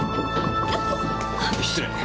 失礼！